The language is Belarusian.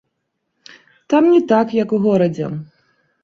Там не так, як у горадзе.